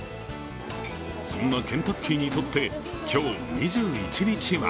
そんなケンタッキーにとって今日、２１日は